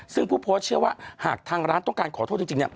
ซึ่งผู้โพสต์เชื่อว่าหากทางร้านต้องการขอโทษจริง